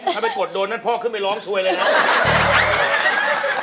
ถ้าไปกดโดนนั่นพ่อขึ้นไปร้องซวยเลยครับ